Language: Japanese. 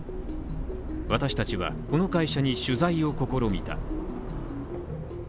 私達はこの会社に取材を試みた。